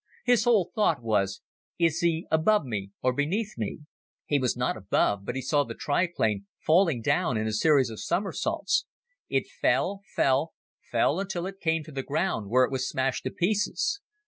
His whole thought was: Is he above me or beneath me? He was not above but he saw the triplane falling down in a series of somersaults. It fell, fell, fell until it came to the ground where it was smashed to pieces.